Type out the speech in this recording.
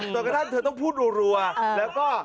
กระทั่งเธอต้องพูดรัวแล้วก็